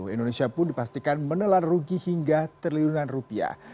indonesia pun dipastikan menelan rugi hingga triliunan rupiah